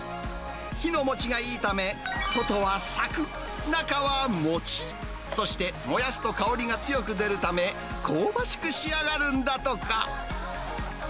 火のもちがいいため、外はさくっ、中はもちっ、そして燃やすと香りが強く出るため、香ばしく仕上がるんだとか。